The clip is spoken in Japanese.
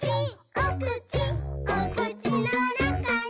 おくちおくちのなかに」